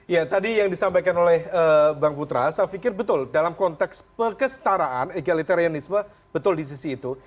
ya tadi yang disampaikan oleh bang putra saya pikir betul dalam konteks pekestaraan egalitarianisme betul di sisi itu